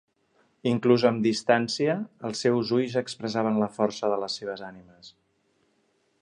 Inclús amb distància, els seus ulls expressaven la força de les seves ànimes.